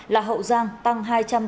là hậu giang tăng hai trăm sáu mươi bốn bốn